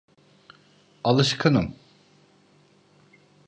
Alışkınım.